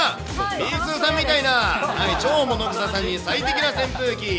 みーすーさんみたいな超ものぐささんに最適な扇風機。